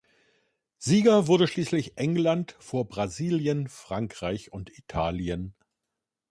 Sieger wurde schließlich England vor Brasilien, Frankreich und Italien.